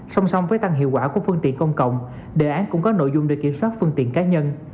song song với tăng hiệu quả của phương tiện công cộng đề án cũng có nội dung để kiểm soát phương tiện cá nhân